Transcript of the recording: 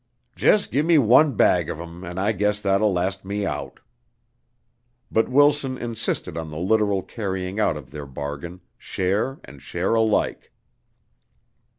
"Jus' give me one bag of 'em an' I guess thet will last me out." But Wilson insisted on the literal carrying out of their bargain, share and share alike.